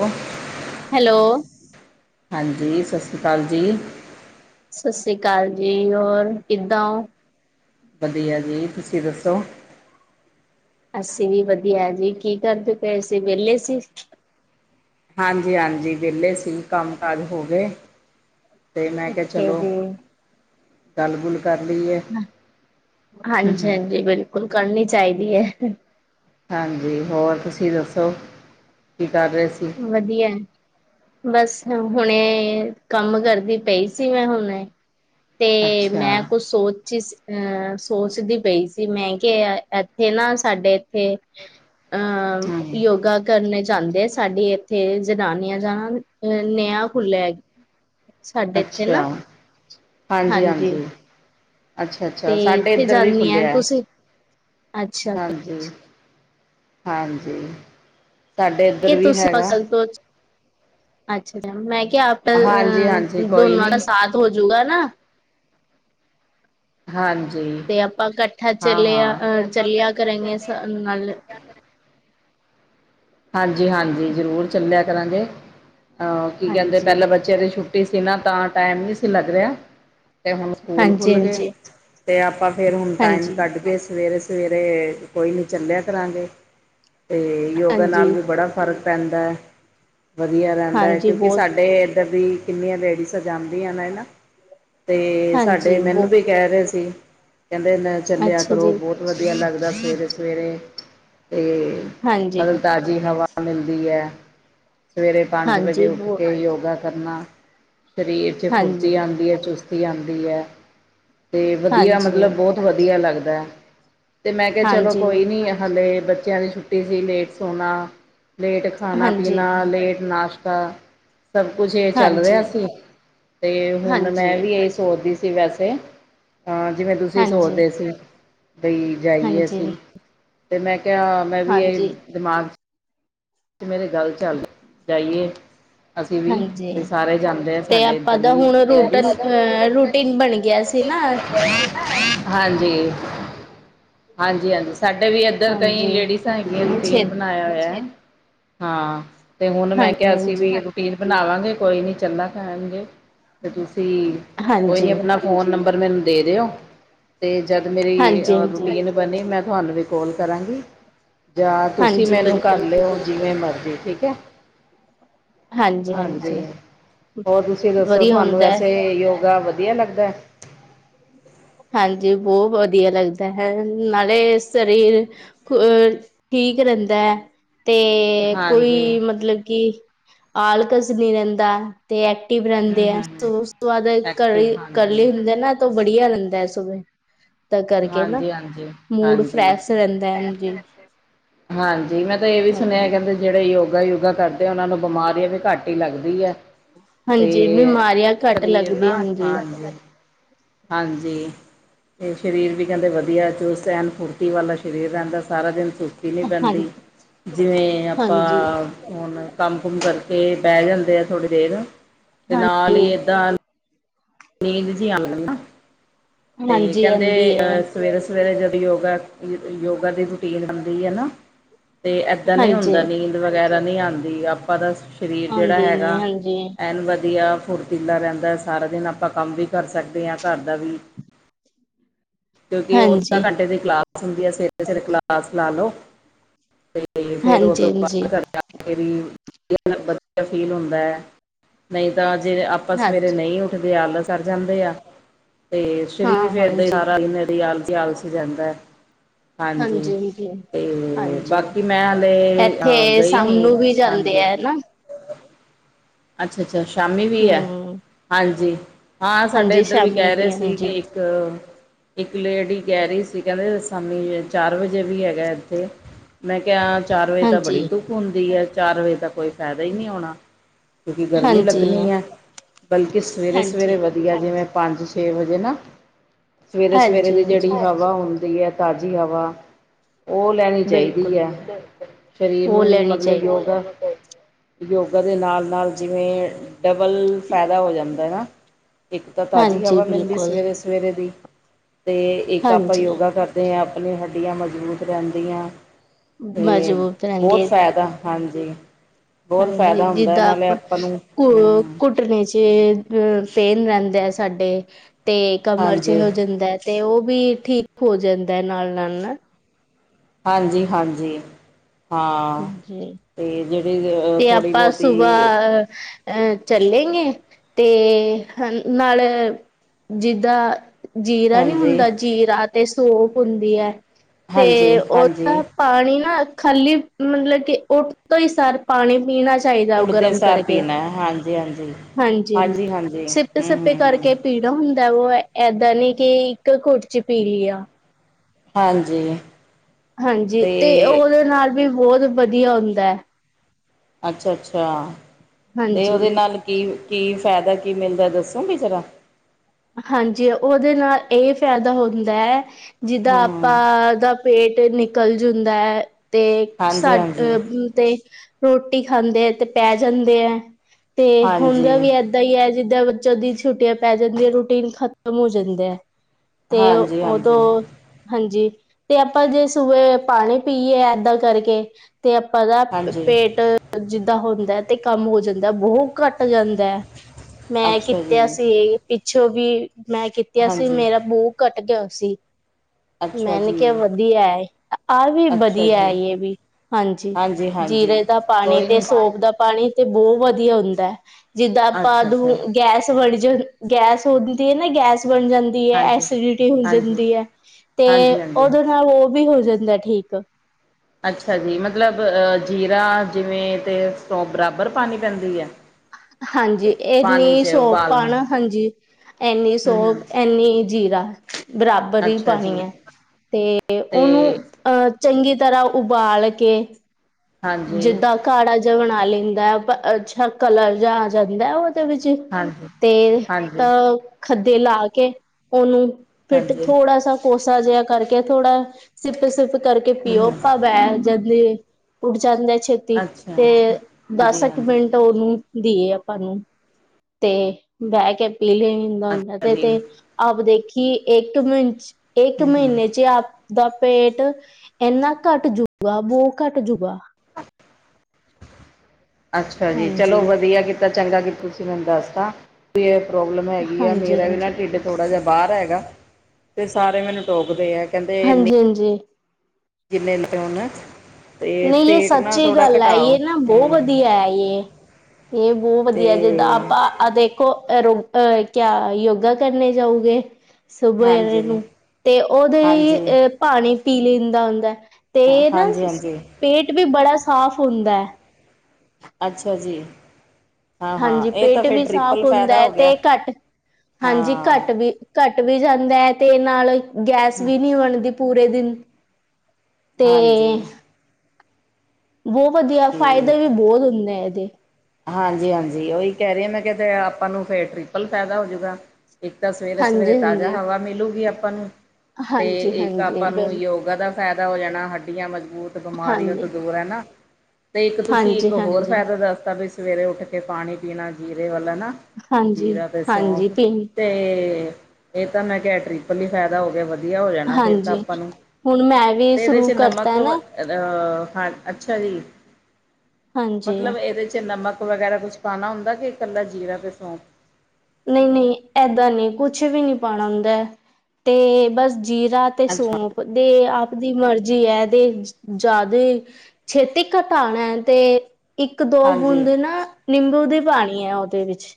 ਹੋ ਹੈਲੋ ਹਾਂਜੀ ਸਤਿ ਸ਼੍ਰੀ ਅਕਾਲ ਜੀ। ਸਤਿ ਸ੍ਰੀ ਅਕਾਲ ਜੀ ਹੋਰ ਕਿੱਦਾਂ ਓ। ਵਧੀਆ ਜੀ ਤੁਸੀਂ ਦੱਸੋ। ਅਸੀਂ ਵੀ ਵਧੀਆ ਜੀ ਕੀ ਕਰਦੇ ਪਏ ਸੀ ਵੇਲੇ ਸੀ। ਹਾਂਜੀ-ਹਾਂਜੀ ਵੇਲੇ ਸੀ ਕੰਮ ਕਾਜ ਹੋ ਗਏ। ਤੇ ਮੈਂ ਕਿਆ ਓਕੇ ਚਲੋ ਜੀ। ਗੱਲ ਗੁਲ ਕਰ ਲਈਏ। ਹਾਂਜੀ-ਹਾਂਜੀ ਬਿਲਕੁਲ ਕਰਨੀ ਚਾਈਦੀ ਏ। ਹਾਂਜੀ ਹੋਰ ਤੁਸੀਂ ਦੱਸੋ ਕੀ ਕਰ ਰਏ ਸੀ। ਵਧੀਆ ਬਸ ਹੁਣੇ ਕੰਮ ਕਰਦੀ ਪਈ ਸੀ ਮੈਂ ਹੁਣੇ ਤੇ ਅੱਛਾ ਮੈਂ ਕੁਛ ਸੋਚ 'ਚ ਈ ਅ ਸੋਚਦੀ ਪਈ ਸੀ ਮੈਂ ਕਿਆ ਇੱਥੇ ਨਾ ਸਾਡੇ ਇੱਥੇ ਅ ਹਮ ਯੋਗਾ ਕਰਨੇ ਜਾਂਦੇ। ਸਾਡੇ ਇੱਥੇ ਜਨਾਨੀਆਂ ਜਾਣਾ ਅ ਨਯਾ ਖੁੱਲਿਆ। ਸਾਡੇ ਇੱਥੇ ਨਾ ਅੱਛਾ ਹਾਂਜੀ। ਅੱਛਾ ਤੇ ਅੱਛਾ ਸਾਡੇ ਇੱਥੇ ਇੱਧਰ ਜਾਂਣੀ ਆ ਤੁਸੀਂ ਅੱਛਾ ਹਾਂਜੀ-ਹਾਂਜੀ ਸਾਡੇ ਕਿ ਇੱਧਰ ਵੀ ਤੁਸੀਂ ਹੈਗਾ। ਕਲ ਤੋਂ ਅੱਛਾ ਮੈਂ ਕਿਆ ਆਪ ਹਾਂਜੀ ਹਾਂਜੀ ਅ ਕੋਈ ਦੋਨੋ ਦਾ ਨਹੀਂ ਸਾਥ ਹੋਜੂਗਾ ਨਾ। ਹਾਂਜੀ ਤੇ ਆਪਾਂ ਕੱਠਾ ਹਾਂ ਚੱਲਿਆ ਹਾਂ ਅ ਚੱਲਿਆ ਕਰਾਂਗੇ ਸਾਨੂੰ ਨਲ ਹਾਂਜੀ-ਹਾਂਜੀ ਜ਼ਰੂਰ ਚੱਲਿਆ ਕਰਾਂਗੇ ਅ ਕੀ ਕੈਂਦੇ ਹਾਂਜੀ ਪੈਲਾਂ ਬੱਚਿਆਂ ਦੀ ਛੁੱਟੀ ਤੇ ਸੀ ਨਾ ਤਾਂ ਟਾਈਮ ਨੀ ਸੀ ਲੱਗ ਰਿਆ। ਤੇ ਹੁਣ ਸਕੂਲ ਹਾਂਜੀ ਖੁੱਲ ਗਏ ਹਾਂਜੀ ਤੇ ਆਪਾਂ ਫਿਰ ਹੁਣ ਟਾਈਮ ਹਾਂਜੀ ਕੱਢ ਗਏ ਸਵੇਰੇ ਸਵੇਰੇ ਕੋਈ ਨੀ ਚੱਲਿਆ ਕਰਾਂਗੇ ਤੇ ਯੋਗ ਹਾਂਜੀ ਬੜਾ ਫ਼ਰਕ ਪੈਂਦਾ ਹੈ ਵਧੀਆ ਰੈਂਦਾ ਹਾਂਜੀ ਕਿਉਂਕਿ ਬਹੁਤ ਸਾਡੇ ਇੱਧਰ ਦੀ ਕਿੰਨੀਆਂ ਲੇਡੀਜ਼ਾਂ ਜਾਂਦੀਆਂ ਨੇ ਹਨਾ ਤੇ ਸਾਡੇ ਹਾਂਜੀ ਇਨਾਂ ਨੂੰ ਬਹੁਤ ਵੀ ਕੈ ਰਏ ਸੀ ਕੈਂਦੇ ਨਾ ਚੱਲਿਆ ਅੱਛਾ ਕਰੋ ਜੀ ਬੋਤ ਵਧੀਆ ਲੱਗਦਾ ਸਵੇਰੇ ਸਵੇਰੇ ਤੇ ਹਾਂਜੀ ਮਤਲਬ ਤਾਜ਼ੀ ਹਵਾ ਮਿਲਦੀ ਐ ਸਵੇਰੇ ਪੰਜ ਹਾਂਜੀ ਵਜੇ ਉੱਠ ਬਹੁਤ ਕੇ ਯੋਗਾ ਕਰਨਾ ਸਰੀਰ 'ਚ ਹਾਂਜੀ ਫੁਰਤੀ ਆਂਦੀ ਐ ਚੁਸਤੀ ਆਂਦੀ ਐ। ਤੇ ਵਧੀਆ ਹਾਂਜੀ ਮਤਲਬ ਬੋਤ ਵਧੀਆ ਲੱਗਦਾ। ਤੇ ਮੈਂ ਕਿਆ ਚਲੋ ਹਾਂਜੀ ਕੋਈ ਨਈ ਹਲੇ ਬੱਚਿਆਂ ਦੀ ਛੁੱਟੀ ਸੀ ਲੇਟ ਸੋਨਾ ਲੇਟ ਖਾਣਾ ਹਾਂਜੀ ਪੀਣਾ ਲੇਟ ਨਾਸ਼ਤਾ ਸਭ ਕੁਛ ਏ ਚੱਲ ਹਾਂਜੀ ਰਿਆ ਸੀ ਤੇ ਹੁਣ ਮੈਂ ਹਾਂਜੀ ਵੀ ਏਸ ਸੋਚਦੀ ਸੀ ਵੈਸੇ ਆਂ ਜਿਵੇਂ ਤੁਸੀਂ ਹਾਂਜੀ ਸੋਚਦੇ ਸੀ ਬਈ ਜਾਈਏ ਹਾਂਜੀ ਅਸੀਂ ਤੇ ਮੈਂ ਕਿਆ ਮੈਂ ਵੀ ਐ ਈ ਹਾਂਜੀ ਦਿਮਾਗ ਮੇਰੇ ਗੱਲ ਚੱਲ ਜਾਈਏ। ਅਸੀਂ ਹਾਂਜੀ ਵੀ-ਵੀ ਸਾਰੇ ਜਾਂਦੇ ਆ ਤੇ ਸਾਡੇ ਆਪਾਂ ਇੱਧਰ ਤਾਂ ਵੀ ਹੁਣ ਰੂਟਨ ਅ ਰੂਟੀਨ ਬਣ ਗਿਆ ਸੀ ਨਾ ਹਾਂਜੀ-ਹਾਂਜੀ-ਹਾਂਜੀ ਸਾਡੇ ਵੀ ਇੱਧਰ ਕਈ ਹਾਂਜੀ ਲੇਡੀਜ਼ਾਂ ਹੈਗੀਆਂ ਇਹ ਛੇ ਰੂਟੀਨ ਬਣਾਇਆ ਹੋਇਆ ਹੈ। ਹਾਂ ਤੇ ਹੁਣ ਮੈਂ ਹਾਂਜੀ ਕਿਹਾ ਸੀ ਹਾਂਜੀ ਵੀ ਰੂਟੀਨ ਬਣਾਵਾਂਗੇ, ਕੋਈ ਨੀ ਚੱਲਾ ਕਰਾਂਗੇ। ਤੇ ਤੁਸੀਂ ਕੋਈ ਹਾਂਜੀ ਨੀ ਆਪਣਾ ਫੋਨ ਨੰਬਰ ਮੈਨੂੰ ਦੇ ਦਿਓ। ਤੇ ਜਦ ਮੇਰੀ ਹਾਂਜੀ ਹਾਂਜੀ ਰੂਟੀਨ ਬਣੀ ਮੈਂ ਤੁਹਾਨੂੰ ਵੀ ਕੋਲ ਕਰਾਂਗੀ। ਜਾਂ ਤੁਸੀਂ ਹਾਂਜੀ ਮੈਨੂੰ ਕਰ ਬਿਲਕੁਲ ਲਿਓ ਜਿਵੇਂ ਮਰਜ਼ੀ ਠੀਕ ਐ। ਹਾਂਜੀ, ਹੋਰ ਤੁਸੀਂ ਦੱਸੋ ਵਧੀਆ ਤੁਹਾਨੂੰ ਹੁੰਦਾ ਹੈ ਵੈਸੇ ਯੋਗਾ ਵਧੀਆ ਲੱਗ ਦਾ। ਹਾਂਜੀ ਬਹੁਤ ਵਧੀਆਂ ਲੱਗਦਾ ਹੈ, ਨਾਲੇ ਸਰੀਰ ਅ ਠੀਕ ਰਹਿੰਦਾ ਐ ਤੇ ਤੇ ਹਾਂਜੀ ਕੋਈ ਮਤਲਬ ਕਿ ਆਲਕਸ ਨੀ ਰਹਿੰਦਾ। ਤੇ ਐਕਟਿਵ ਹਮ ਰਹਿੰਦੇ ਆ, ਸ ਹਮ ਉਸ ਤੋਂ ਬਾਅਦ ਐਕਟਿਵ ਘਰੇ ਹਾਂਜੀ ਕੱਲੇ ਹੁੰਦੇ ਨਾ ਤੇ ਉਹ ਬੜੀਆ ਰਹਿੰਦ ਤਾਂ ਸੁਬਹੇ ਤਾਂ ਕਰਕੇ ਨਾ ਹਾਂਜੀ ਹਾਂਜੀ ਮੂਡ ਹਾਂਜੀ ਫਰੈਸ਼ ਰਹਿੰਦਾ ਹਾਂਜੀ। ਹਾਂਜੀ ਮੈਂ ਤਾਂ ਇਹ ਵੀ ਸੁਣਿਆ ਹਾਂਜੀ ਕਹਿੰਦੇ ਜਿਹੜੇ ਯੋਗਾ ਯੁਗਾ ਕਰਦੇ ਆ, ਉਹਨਾਂ ਨੂੰ ਬਿਮਾਰੀਆਂ ਵੀ ਘੱਟ ਈ ਲੱਗਦੀ ਐ। ਹਾਂਜੀ ਤੇ ਬਿਮਾਰੀਆਂ ਘੱਟ ਸਰੀਰ ਲੱਗਦੀ ਨਾ ਹਾਂਜੀ ਹਾਜੀ ਹਾਂਜੀ। ਅਤੇ ਸਰੀਰ ਵੀ ਕਹਿੰਦੇ ਵਧੀਆ, ਚੁਸਤ ਐਨ ਫੁਰਤੀ ਵਾਲਾ ਸਰੀਰ ਰਹਿੰਦਾ ਸਾਰਾ ਦਿਨ ਸੁਸ ਤੀ ਨੀਂ ਹਾਂ ਪੈਂਦੀ ਜਿਵੇਂ ਹਾਂਜੀ ਆਪਾਂ ਹੁਣ ਕੰਮ ਕੁਮ ਕਰਕੇ ਬਹਿ ਜਾਂਦੇ ਆ ਥੋੜੀ ਦੇਰ, ਤੇ ਨਾਲ ਹਾਂਜੀ ਈ ਏਦਾਂ ਨੀਦ ਜੀ ਆਦੀ ਨਾ ਤੇ ਹਾਂਜੀ ਕਹਿੰਦੇ ਆਉਂਦੀ ਹੈ ਅਹ ਸਵੇਰੇ- ਸਵੇਰੇ ਜਦ ਯੋਗਾ- ਯੋਗਾ ਦੀ ਰੂਟੀਨ ਬਣਦੀ ਐ ਨਾ ਤੇ ਐਦਾਂ ਨੀ ਹਾਂਜੀ ਹੁੰਦਾ, ਨੀਂਦ ਵਗੈਰਾ ਨੀ ਆਂਦੀ ਆਪਾਂ ਤਾਂ ਸਰੀਰ ਜਿਹੜਾ ਆਉਂਦੇ ਹੈਗਾ ਨੇ ਹਾਂਜੀ ਐਨ ਵਧੀਆ ਫੁਰਤ -ਤੀਲਾ ਰਹਿੰਦਾ, ਸਾਰਾ ਦਿਨ ਆਪਾਂ ਕੰਮ ਵੀ ਕਰ ਸਕਦੇ ਆ ਘਰ ਦਾ ਵੀ। ਕਿਉਂਕਿ ਓ ਅੱਧਾਂ ਹਾਂਜੀ ਘੰਟੇ ਦੀ ਕਲਾਸ ਹੁੰਦੀ ਐ, ਸਵੇਰੇ- ਸਵੇਰੇ ਕਲਾਸ ਲਾ ਲਓ। ਫੇਰ ਉਹ ਹਾਂਜੀ ਤੋਂ ਹਾਂਜੀ ਬਾਅਦ ਘਰ ਵਧੀਆ ਫੀਲ ਹੁੰਦਾ ਐ, ਨਹੀਂ ਤਾਂ ਜਿਵੇ ਆ ਆਪਾਂ ਸਵੇਰੇ ਹਾਂਜੀ ਨਹੀਂ ਉੱਠਦੇ ਆਲਸ ਕਰ ਜਾਂਦੇ ਆ, ਤੇ ਸਰੀਰ ਹਾਂ ਵੀ ਫੇਰ ਹਾਂਜੀ ਐਦਾ ਓਨੀ ਦੇਰ ਆਲਸੀ- ਆਲਸੀ ਰਹਿੰਦਾਂ ਐ। ਹਾਂਜੀ ਤੇ ਹਾਂਜੀ ਬਾਕੀ ਮੈਂ ਹਲੇ ਅ ਗਈ ਨੀ, ਹਾਂਜ ਤੇ ਐ ਨਾ ਅੱਛਾ- ਅੱਛਾ ਸ਼ਾਮੀ ਵੀ ਐ, ਹਮ ਹਾਂਜੀ ਹਾਂ ਸਾਡੇ ਹਾਂਜੀ ਏਧਰ ਵੀ ਸ਼ਾਮੀ ਕਹਿ ਰਹੇ ਸੀ ਹਾਂਜੀ ਕਿ ਇੱ ਆ। ਇੱਕ ਲੇਡੀ ਕਹਿ ਰਹੀ ਸੀ, ਕਹਿੰਦੇ ਸ਼ਾਮੀ ਚਾਰ ਵਜੇ ਵੀ ਹੈਗਾ ਏਥੇ। ਮੈਂ ਕਿਹਾ ਚਾਰ ਵਜੇ ਤਾਂ ਹਾਂਜੀ ਬੜੀ ਧੁੱਪ ਹੁੰਦੀ ਐ, ਚਾਰ ਵਜੇ ਤਾ ਕੋਈ ਫਾਇਦਾ ਈ ਨੀ ਹੋਣਾਂ। ਕਿਉਂਕਿ ਗਰਮੀ ਹਾਂਜੀ ਲੱਗਣੀ ਐ, ਬਲਕਿ ਸਵੇਰੇ- ਸਵੇਰੇ ਹਾਂਜੀ ਵਧ ਜਿਵੇਂ ਪੰਜ ਛੇ ਵਜੇ ਨਾ ਸਵੇਰੇ- ਸਵੇਰੇ ਹਾਂਜੀ ਦੀ ਜਿਹੜੀ ਹਾਂਜੀ ਹਵਾਂ ਹੁੰਦੀ ਐ। ਤਾਜ਼ੀ ਹਵਾ। ਓ ਲੈਣੀ ਚਾਹੀਦੀ ਐ, ਬਿਲਕੁਲ ਸਰੀਰ ਉਹ ਨੂੰ ਲੈਣੀ ਮਤਲਬ ਚਾਹੀਦੀ ਹੈ ਯੋਗਾ ਯੋਗਾ ਦੇ ਨਾਲ- ਨਾਲ ਜਿਵੇਂ ਡਬਲ ਫਾਇਦਾ ਹੋ ਜਾਂਦਾ ਐ ਨਾ, ਇੱਕ ਤਾਂ ਤਾਜ਼ੀ ਹਾਂਜੀ ਹਵਾ ਮਿਲਦੀ ਬਿਲਕੁਲ ਸਵੇਰੇ ਸਵ ਸਵੇਰੇ ਦੀ, ਤੇ ਇੱਕ ਆਪਾਂ ਹਾਂਜੀ ਯੋਗਾ ਕਰ ਤੇ ਆਪਣੀ ਹੱਡੀਆਂ ਮਜ਼ਬੂਤ ਰਹਿੰਦੀਆਂ ਤੇ ਮਜ਼ਬੂਤ ਰਹਿੰਦੀ ਬਹੁਤ ਹੈ ਫਾਇਦਾ। ਹਾਂਜੀ ਬਹੁਤ ਫਾਇਦਾ ਹੁੰਦਾ ਨਾਲ਼ੇ ਆਪ ਘ ਘੁੱਟਣੇ ਚ ਅ ਫੇਲ ਰਹਿੰਦਾ ਏ ਸਾਡੇ। ਤੇ ਕਮਰ ਚ ਹਾਂਜੀ ਹੋ ਜਾਂਦਾ ਏ, ਤੇ ਉਹ ਵੀ ਠੀਕ ਹੋ ਜਾਂਦਾ ਐ ਨਾਲ- ਨਾਲ ਨਾ। ਹਾਂਜੀ- ਹਾਂਜੀ ਹਾਂ ਜੀ ਅਤੇ ਜਿਹੜੀ ਥੋੜ੍ਹੀ-ਬਹੁਤੀ ਹਹ ਅਹ ਚੱਲੇ ਗੇ, ਤੇ ਨਾਲ ਜਿਦਾਂ ਜੀਰਾ ਨਈ ਹਾਂਜੀ ਹੁੰਦਾ ਜੀਰਾ ਤੇ, ਸੋਫ ਹੁੰਦੀ ਹੈ ਤੇ ਹਾਂਜੀ ਉਹ ਹਾਂਜੀ ਨਾ ਪਾਣੀ ਨਾ ਖਾਲੀ ਮਤਲਬ ਕਿ, ਉਹ ਤੋਂ ਹੀ ਸਾਰ ਪਾਣੀ ਪੀਣਾ ਚਾਹੀਦਾ, ਉਹ ਉੱਡਦੇ ਗਰਮ ਸਾਰ ਕਰਕੇ, ਪੀਣਾ ਹੈ ਹਾਂਜੀ ਹਾਂਜੀ ਹਾਂਜੀ-ਹਾਂਜੀ ਹਾਂਜੀ ਹਾਂਜੀ ਸਿੱਪੇ- ਹੂੰ ਸਿੱਪੇ ਹੂੰ ਹੂੰ ਕਰਕੇ ਪੀ ਜੋ ਹੁੰਦਾ ਉ ਵ ਏਦਾਂ ਨੇੀ ਕਿ, ਇੱਕ ਘੁਟ ਚ ਪੀ ਲਿਆ ਹਾਂਜੀ। ਹਾਂਜੀ, ਤੇ ਉਹਦੇ ਨਾਲ ਵੀ ਬਹੁਤ ਵਧੀਆ ਹੁੰਦਾ ਅੱਛਾ -ਅੱਛਾ ਤੇ ਹਾਂਜੀ ਉਹਦੇ ਨਾਲ ਕੀ, -ਕੀ ਫਾਇਦਾ ਕੀ ਮਿਲਦਾ, ਦੱਸੋ ਵੀ ਜ਼ਰਾ? ਹਾਂਜੀ ਉਹਦੇ ਨਾਲ ਇਹ ਫਾਇਦਾ ਹੁੰਦਾ, ਜਿੱਦਾਂ ਹੂੰ ਆਪਾਂ ਦਾ ਪੇਟ ਤੇ ਨਿਕਲ ਜਾਂਦਾ, ਤੇ ਹਾਂਜੀ ਸਾ ਹਾਂਜੀ ਅਹ ਤੇ ਰੋਟੀ ਖਾਂਦੇ ਹੈ, ਤੇ ਪੈ ਜਾਂਦੇ ਆ ਹਾਂਜੀ ਹੁੰਦਾ ਵੀ ਤਾਂ ਹੀ ਹੈ ਜਿੱਦਾਂ, ਬੱਚਿਆ ਦੀ ਛੁੱਟੀਆਂ ਪੈ ਜਾਂਦੀਆਂ, ਰੂਟੀਨ ਖਤਮ ਹੋ ਜਾਂਦੇ ਤੇ ਹਾਂਜੀ ਹਾਂਜੀ ਉਦੋਂ ਹਾਂਜੀ, ਤੇ ਆਪਾਂ ਜੇ ਸੁਬਹ ਪਾਣੀ ਪੀਏ ਏਦਾਂ ਕਰਕੇ ਤੇ ਆਪਾਂ ਦਾ, ਹਾਂਜੀ ਪੇਟ ਜਿੱਦਾਂ ਹੁੰਦਾ ਤੇ, ਕੰਮ ਹੋ ਜਾਂਦਾ, ਬਹੁਤ ਘੱਟ ਜਾਂਦਾ ਮੈਂ ਅੱਛਾ ਕੀਤਿਆ ਜੀ ਸੀ। ਪਿੱਛੋਂ ਵੀ ਮੈਂ ਕੀਤਿਆ ਸੀ। ਹਾਂਜੀ ਮੇਰਾ ਬੋਹ ਘੱਟ ਗਿਆ ਸੀ। ਅੱਛਾ ਮੈਂਨੇ ਜੀ ਕਿਹਾ, ਵਧੀਆ ਏ, ਆਹ ਵੀ ਅੱਛਾ ਵਧੀਆ ਜੀ ਇਹ ਵੀ ਹਾਂਜੀ ਹਾਂਜੀ ਜੀਰੇ ਦਾ ਪਾਣੀ, ਕੋਈ ਤੇ ਨੀ ਸੋਫ਼ ਦਾ ਪਾਣੀ ਤੇ ਬਹੁਤ ਵਧੀਆ ਹੁੰਦਾ ਐੱ, ਜਿੱਦਾਂ ਆਪਾਂ ਅੱਛਾ ਦੋਂ ਅੱਛਾ ਗੈਸ ਵੜ ਜਾ ਉ ਗੈਸ ਹੁੰਦੀ ਏ ਨਾ, ਗੈਸ ਬਣ ਜਾਂ ਹਾਂਜੀ ਹਾਂਜੀ ਐਸੀਡਿਟੀ ਹੋ ਹਾਂਜੀ ਜਾਂਦੀ ਹੈ, ਤੇ ਹਾਂਜੀ ਹਾਂਜੀ ਉਦੇ ਨਾਲ ਉਹ ਵੀ, ਹੋ ਜਾਂਦਾ ਠੀਕ ਅੱਛਾ ਜੀ, ਮਤਲਬ ਅ ਜੀਰਾ ਜਿਵੇਂ, ਤੇ ਸੋਫ਼ ਬਰਾਬਰ ਪਾਣੀ ਪੈਂਦੀ ਆ ਹਾਂਜੀ ਏ ਲੈ ਸੋ ਉਬਾਲਣਾ ਪਾਣਾ ਹਾਂਜੀ, ਐਨੀ ਹਮ ਹਮ ਸੋਫ਼ ਏਨੀ ਜੀਰਾ, ਬਰਾਬਰ ਹੀ ਅੱਛਾ ਜੀ ਪਾਣੀ ਐ, ਤੇ ਤੇ ਉਹਨੂੰ ਅ ਚੰਗੀ ਤਰ੍ਹਾਂ ਉਬਾਲ ਕੇ ਹਾਂਜੀ ਜਿੱਦਾਂ ਕਾੜਾ ਜਿਹਾ ਬਣਾ ਲੈਂਦਾ, ਅੱਛਾ ਕਲਰ ਜਿਹਾ ਆ ਜਾਂਦਾ ਹੈ ਉਹ ਤੇ ਵਿੱਚ ਹਾਂਜੀ ਤੇਲ ਹਾਂਜੀ ਤਾਂ ਖੱਦੇ ਲਾ ਕੇ ਉਹਨੂੰ, ਫਿਟ ਹਾਂਜੀ ਥੋੜਾ ਸ ਕੋਸਾ ਜਿਹਾ ਕਰਕੇ, ਥੋੜਾ ਸਿਪ-ਸਿਪ ਕਰਕੇ ਪੀਓ ਹਮ ਭਾ ਬੈ ਜਦ ਉੱਠ ਜਾਂਦਾ ਛੇਤੀ, ਅੱਛਾ ਤੇ ਦਸ ਹਾਂਜੀ ਕੁ ਹਾਂਜੀ ਮਿੰਟ ਉਹਨੂੰ ਦੀਏ ਆਪਾਂ ਨੂੰ, ਤੇ ਬਹਿ ਕੇ ਪੀ ਲੇ ਹੁੰਦਾ- ਹੁੰਦਾ ਅੱਛਾ ਤੇ- ਜੀ ਹਮ ਤੇ ਆਪ ਦੇਖੀਏ ਇੱਕ ਮ ਇੱਕ ਹਮ ਮਹੀਨੇ ਚ ਆਪ ਦਾ ਪੇਟ, ਇੰਨਾ ਘੱਟ ਜੂਗਾ, ਬੋ ਘੱਟ ਜੂਗਾ ਅੱਛਾ ਜੀ, ਹਾਂਜੀ ਚਲੋ ਵਧੀਆ ਕੀਤਾ, ਚੰਗਾ ਕੀਤਾ ਤੁਸੀਂ ਮੈਨੂੰ ਦੱਸ ਤ ਏ ਪ੍ਰੋਬਲਮ ਹੈਗੀ ਆ, ਹਾਂਜੀ ਮੇਰਾ ਵੀ ਨਾ ਹਾਂਜੀ ਢਿੱਡ ਥੋੜ੍ਹਾ ਜਿਹਾ ਬਾਹਰ ਹੈਗਾ, ਤੇ ਸਾਰੇ ਮੈਨੂੰ ਟੋਕਦੇ ਆ ਹਾਂਜੀ- ਹਾਂਜੀ ਜਿਨੇ ਲਏ ਉਣ ਨਈ ਇਹ ਸੱਚੀ ਗੱਲ ਏ, ਜਿਹ ਨਾ ਬਹੁ ਹਮ ਵਧੀਆ ਹੈ ਜਿਹ ਇਹ ਬਹੁ ਤੇ ਵਧੀਆ ਜਿੱਦਾਂ ਆਪਾਂ ਆਹ ਦੇਖੋ ਰੋ ਅ ਕਿਆ ਯੋਗਾ ਕਰਨੇ ਜਾਊਗੇ। ਸੁਬੇਰ ਹਾਂਜੀ ਨੂੰ ਤੇ ਓਦੇ ਈ ਹਾਂਜੀ ਅ ਪਾਨੀ ਪੀ ਲੈਂਦਾ ਹੁੰਦਾ। ਤੇ ਨਾ, ਹਾਂਜੀ ਹਾਂਜੀ ਪੇਟ ਵੀ ਬੜਾ ਸਾਫ਼ ਹੁੰਦਾ। ਅੱਛਾ ਜੀ। ਹਾਂ ਹਾਂ ਹਾਂਜੀ ਇਹ ਤਾਂ ਪੇਟ ਫਿਰ ਵੀ ਸਾਫ਼ ਟ੍ਰਿਪਲ ਹੁੰਦਾ ਫਾਇਦਾ ਏ ਹੋ ਗਿਆ ਤੇ ਕੱਟ ਹਾਂਜੀ ਹਾਂ ਕੱਟ ਵੀ ਕੱਟ ਵੀ ਜਾਂਦਾ ਏ ਤੇ ਨਾਲ ਗੈਸ ਵੀ ਨੀ ਬਣਦੀ ਪੂਰੇ ਦਿਨ ਤੇ ਹਾਂਜੀ ਬੋਤ ਵਧੀਆ ਫਾਇਦੇ ਵੀ ਬੋ ਹੁੰਦੇ ਆ ਏਦੇ ਹਾਂਜੀ-ਹਾਂਜੀ ਓਈ ਕੈ ਰੀ ਮੈਂ ਕਿ ਆਪਾਂ ਨੂੰ ਫੇਰ ਟ੍ਰਿਪਲ ਫੈਦਾ ਹੋਜੂਗਾ। ਇੱਕ ਤਾਂ ਸਵੇਰ-ਸਵੇਰੇ ਹਾਂਜੀ ਹਾਂਜੀ ਤਾਜ਼ਾ ਹਵਾ ਮਿਲੂਗੀ ਆਪਾਂ ਨੂੰ, ਤੇ ਹਾਂਜੀ ਇੱਕ ਹਾਂਜੀ ਆਪਾਂ ਨੂੰ ਬਿਲ ਯੋਗਾ ਦਾ ਫੈਦਾ ਹੋ ਜਾਣਾ ਹੱਡੀਆਂ ਮਜ਼ਬੂਤ ਬਿਮਾਰੀ ਆ ਤੋਂ ਹਾਂਜੀ ਦੂਰ ਹੈ ਨਾ ਤੇ ਇੱਕ ਤੁਸੀਂ ਇੱਕ ਹਾਂਜੀ ਹੋਰ ਹਾਂਜੀ ਫੈਦਾ ਦੱਸਤਾ ਵੀ ਸਵੇਰੇ ਉੱਠ ਕੇ ਪਾਨੀ ਪੀਨਾ ਜੀਰੇ ਵਾਲਾ ਨਾ। ਹਾਂਜੀ ਜੀਰਾ ਤੇ ਹਾਂਜੀ ਸੌਂਫ। ਪੀ ਤੇ, ਏਹ ਤਾਂ ਮੈਂ ਕੈਆ ਟ੍ਰਿਪਲ ਈ ਫੈਦਾ ਹੋ ਗਿਆ ਵਧੀਆ ਹੋ ਜਾਣਾ। ਨਾ ਫੇਰ ਤਾਂ ਹਾਂਜੀ ਆਪਾਂ ਨੂੰ, ਹੁਣ ਮੈਂ ਵੀ ਤੇ ਏਦੇ ਚ ਸ਼ੁਰੂ ਨਮਕ ਕਰਤਾ ਨਾ ਅਹ ਹਾਂ ਅੱਛਾ ਜੀ, ਹਾਂਜੀ ਮਤਲਬ ਏਦੇ ਚ ਤੇ ਨਮਕ ਵਗੈਰਾ ਕੁਛ ਪਾਣਾ ਹੁੰਦਾ ਕਿ ਕੱਲਾ ਜੀਰਾ ਤੇ ਸੌਂਫ। ਨਈ-ਨਈ ਏਦਾਂ ਨੀ ਕੁਛ ਵੀ ਨੀ ਪਾਣਾ ਹੁੰਦਾ ਤੇ ਬਸ ਜੀਰਾ ਤੇ ਅੱਛਾ ਸੌਫ ਦੇ ਆਪ ਦੀ ਮਰਜ਼ੀ ਐ ਤੇ ਜਾਦੇ ਛੇਤੀ ਖਟਾਨ ਐ ਤੇ ਇੱਕ ਦੋ ਹਾਂਜੀ ਬੂੰਦ ਨਾ ਨਿੰਬੂ ਦੇ ਪਾਨੀ ਏ ਓਦੇ ਚ।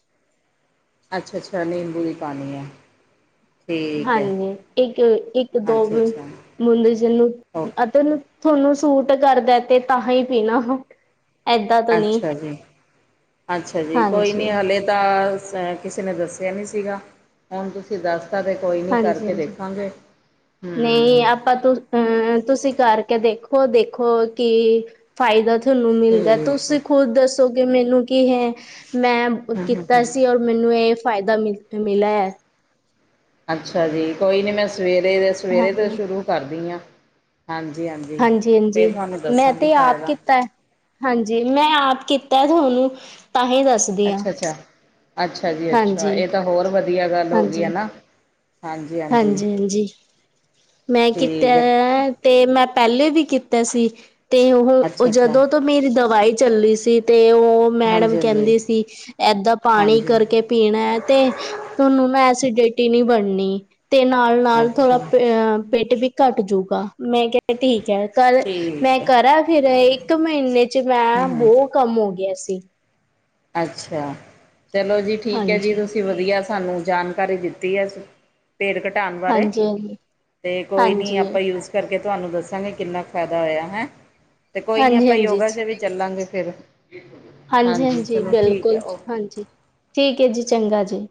ਅੱਛਾ-ਅੱਛਾ ਨਿੰਬੂ ਦੀ ਪਾਨੀ ਏ। ਹਾਂਜੀ ਇੱਕ-ਇੱਕ-ਦੋ ਅੱਛਾ ਬੁ ਅੱਛਾ ਬੁੰਦੇ ਜਿਨੂੰ ਓਕੇ ਅਤੇਨੂੰ ਤੁਹਾਨੂੰ ਸੂਟ ਕਰਦਾ ਤੇ ਤਾਂ ਹੀ ਪੀਨਾ। ਅੱਛਾ ਜੀ-ਅੱਛਾ ਜੀ ਕੋਈ ਨੀ ਹਾਂਜੀ ਹਾਲੇ ਤਾਂ ਅ ਕਿਸੇ ਨੇ ਦੱਸਿਆ ਨੀ ਸੀਗਾ ਹੁਨ ਤੁਸੀਂ ਦੱਸਦਾ ਤੇ ਕੋਈ ਨੀ ਹਾਂਜੀ ਕਰਕੇ ਹਾਂਜੀ ਦੇਖਾਂਗੇ, ਨਹੀਂ ਹੂੰ। ਆਪਾਂ ਤੁ ਅਹ ਤੁਸੀਂ ਕਰਕੇ ਦੇਖੋ-ਦੇਖੋ ਕਿ ਫਾਇਦਾ ਤੁਹਾਨੂੰ ਮਿਲਦਾ ਠੀਕ ਹੈ ਤੁਸੀਂ ਖੁਦ ਦੱਸੋ ਕਿ ਮੈਨੂੰ ਕੀ ਹੈ ਮੈਂ ਹਮ ਹਮ ਕੀਤਾ ਹਮ ਸੀ ਔਰ ਮੈਨੂੰ ਏ ਫਾਇਦਾ ਮਿਲ ਮਿਲਾ ਐ। ਅੱਛਾ ਜੀ ਕੋਈ ਨੀ ਮੈਂ ਸਵੇਰੇ ਦੇ ਸਵੇਰੇ ਤੋਂ ਹਾਂਜੀ ਸ਼ੁਰੂ ਕਰਦੀ ਆ। ਹਾਂਜੀ-ਹਾਂਜੀ, ਹਾਂਜੀ ਫੇਰ ਹਾਂਜੀ ਤੁਹਾਨੂੰ ਮੈਂ ਦੱਸਾਂਗੀ ਤੇ ਆਪ ਫਾਇਦਾ। ਕੀਤਾ ਹਾਂਜੀ ਮੈਂ ਆਪ ਕੀਤਾ ਤੁਹਾਨੂੰ ਤਾਂਹੀ ਦੱਸ ਅੱਛਾ-ਅੱਛਾ, ਅੱਛਾ ਜੀ ਅੱਛਾ ਹਾਂਜੀ ਏ ਤਾਂ ਹੋਰ ਵਧੀਆ ਗੱਲ ਹੋ ਗਈ ਐ ਨਾ। ਹਾਂਜੀ ਹਾਂਜੀ ਹਾਂਜੀ-ਹਾਂਜੀ। ਮੈਂ ਕੀਤਾ ਠੀਕ ਹੈ ਤੇ ਮੈਂ ਪੈਲੇ ਵੀ ਕੀਤਾ ਸੀ। ਤੇ ਓਹ, ਓ ਅੱਛਾ ਅੱਛਾ ਜਦੋਂ ਤੋਂ ਮੇਰੀ ਦਵਾਈ ਚੱਲੀ ਸੀ ਤੇ ਓ ਮੈਡਮ ਹਾਂਜੀ ਹਾਂਜੀ ਕੈਂਦੀ ਸੀ ਏਦਾਂ ਪਾਨੀ ਹਾਂਜੀ ਕਰਕੇ ਪੀਨਾ ਐ ਤੇ ਤੁਹਾਨੂੰ ਨਾ ਐਸੀਡਿਟੀ ਨੀ ਬਣਨੀ ਤੇ ਨਾਲ-ਨਾਲ ਥੋੜਾ ਅੱਛਾ ਅ ਪੇਟ ਵੀ ਕੱਟ ਜੂਗਾ ਮੈਂ ਕੇਆ ਠੀਕ ਐ ਕੱਲ ਮੈਂ ਠੀਕ ਹੈ ਕਰਾਂ ਫੇਰ ਏਕ ਮੀਨੇ ਚ ਮੈਂ ਹਮ ਹਮ ਬੋ ਕੰਮ ਹੋ ਗਿਆ ਸੀ। ਅੱਛਾ, ਚਲੋ ਜੀ ਠੀਕ ਐ ਜੀ ਹਾਂਜੀ ਤੁਸੀਂ ਵਧੀਆ ਸਾਨੂੰ ਜਾਣ ਕਰੀ ਦਿੱਤੀ ਐ, ਪੇਟ ਕਟਾਣ ਬਾਰੇ, ਹਾਂਜੀ ਹਾਂਜੀ ਤੇ ਕੋਈ ਨੀ ਹਾਂਜੀ ਆਪਾਂ ਯੂਜ ਕਰਕੇ ਤੁਆਨੂੰ ਦੱਸਾਂਗੇ ਕਿੰਨਾ ਫੈਦਾ ਹੋਯਾ ਹੈ ਤੇ ਕੋਈ ਨੀ ਹਾਂਜੀ ਆਪਾਂ ਹਾਂਜੀ ਯੋਗਾ ਦੇ ਵਿੱਚ ਚੱਲਾਂਗੇ ਫੇਰ। ਹਾਂਜੀ- ਹਾਂਜੀ ਬਿਲਕੁਲ ਹਾਂਜੀ, ਠੀਕ ਹੈ ਜੀ ਚੰਗਾ ਜੀ।